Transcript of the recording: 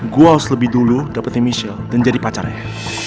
gue harus lebih dulu dapetin michelle dan jadi pacarnya